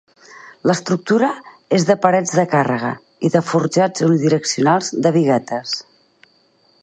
L'estructura és de parets de càrrega i de forjats unidireccionals de biguetes.